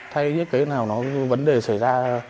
thay cái nào nó vấn đề xảy ra